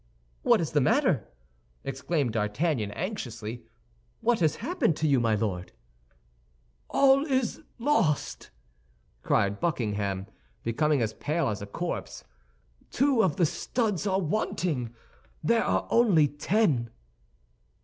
"What is the matter?" exclaimed D'Artagnan, anxiously; "what has happened to you, my Lord?" "All is lost!" cried Buckingham, becoming as pale as a corpse; "two of the studs are wanting, there are only ten."